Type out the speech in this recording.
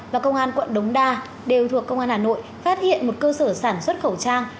và công an quận đống đa đều thuộc công an hà nội phát hiện một cơ sở sản xuất khẩu trang